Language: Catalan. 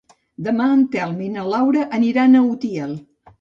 Demà en Telm i na Laura aniran a Utiel.